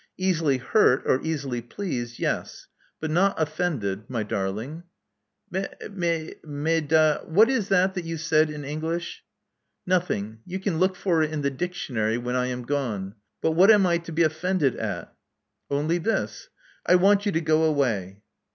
Easily hurt or easily pleased, yes. But not offended, my darling." Mai — maida — what is that that you said in English?" Nothing. You can look for it in the dictionary wlieii I am gone. But what am I to be offended at?" Only this. I want you to go away."